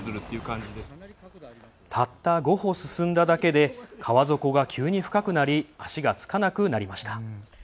たった５歩進んだだけで川底が急に深くなり足が着かなくなりました。